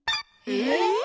え！